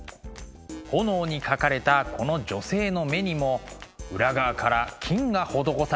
「焔」に描かれたこの女性の目にも裏側から金が施されているのです。